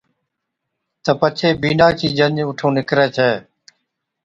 تہ پڇي بِينڏا چِي ڄَڃ اُٺُون نڪري ڇَي